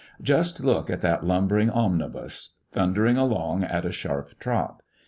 Just look at that lumbering omnibus, thundering along at a sharp trot.